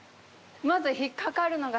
まず。